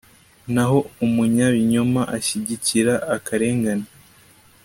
naho umunyabinyoma ashyigikira akarengane